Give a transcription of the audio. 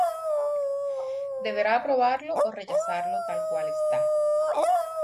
Deberá aprobarlo o rechazarlo tal cual está.